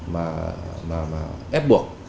mà ép buộc